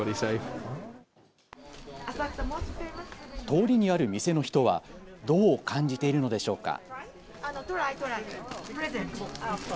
通りにある店の人はどう感じているのでしょうか。